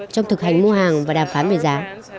trong thực hành mua hàng và đàm phán về giá